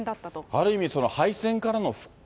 ある意味、敗戦からの復興。